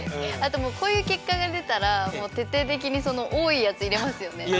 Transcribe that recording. あともうこういう結果が出たら徹底的にその多いやつ入れますよね。